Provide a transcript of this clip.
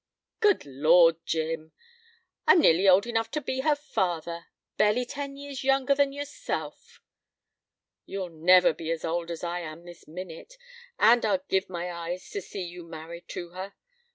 "Good Lord, Jim! I'm nearly old enough to be her father. Barely ten years younger than yourself." "You'll never be as old as I am this minute, and I'd give my eyes to see you married to her.